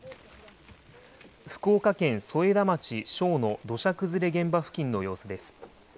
福岡県添田町庄の土砂崩れ現場付近の様子です。